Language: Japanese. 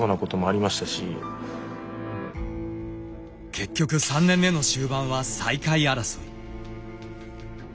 結局３年目の終盤は最下位争い。